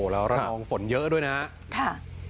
แล้วระนองฝนเยอะด้วยนะครับ